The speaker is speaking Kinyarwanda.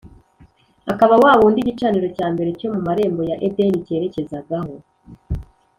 , akaba Wa wundi igicaniro cya mbere cyo mu marembo ya Edeni cyerekezagaho